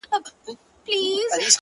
څه رنګه سپوږمۍ ده له څراغه يې رڼا وړې ـ